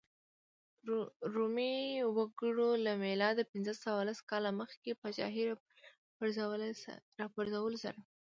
رومي وګړو له میلاد پنځه سوه لس کاله مخکې پاچاهۍ راپرځولو سره.